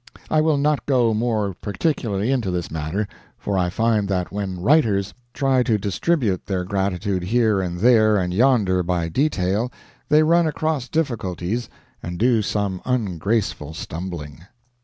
I will not go more particularly into this matter, for I find that when writers try to distribute their gratitude here and there and yonder by detail they run across difficulties and do some ungraceful stumbling.